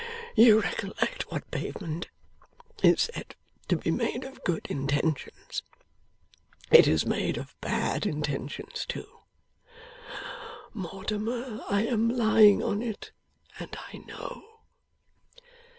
You recollect what pavement is said to be made of good intentions. It is made of bad intentions too. Mortimer, I am lying on it, and I know!